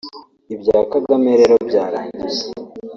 Ibya Kagame rero byarangiye